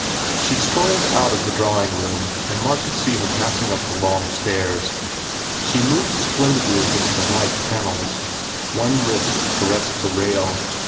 She strolled out of the drawing room and Mark could see her passing up the long stairs. She moved splendidly against the white panels. One wrist caressed the rail.